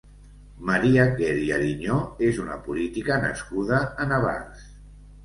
Maria Quer i Ariñó és una política nascuda a Navars.